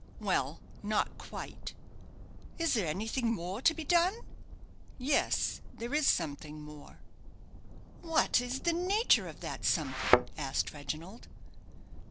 "Well, not quite." "Is there anything more to be done?" "Yes, there is something more." "What is the nature of that something?" asked Reginald.